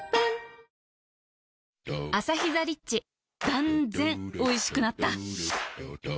断然おいしくなった